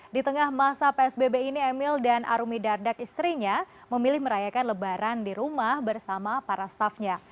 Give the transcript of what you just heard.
di tengah masa psbb ini emil dan arumi dardak istrinya memilih merayakan lebaran di rumah bersama para staffnya